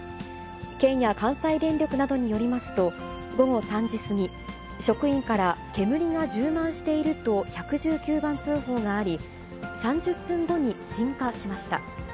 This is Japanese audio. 県や関西電力などによりますと、午後３時過ぎ、職員から煙が充満していると１１９番通報があり、３０分後に鎮火しました。